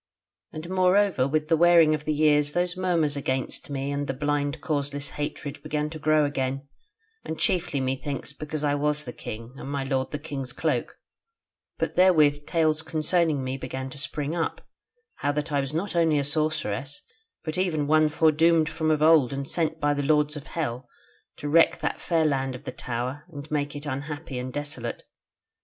And moreover with the wearing of the years those murmurs against me and the blind causeless hatred began to grow again, and chiefly methinks because I was the king, and my lord the king's cloak: but therewith tales concerning me began to spring up, how that I was not only a sorceress, but even one foredoomed from of old and sent by the lords of hell to wreck that fair Land of the Tower and make it unhappy and desolate.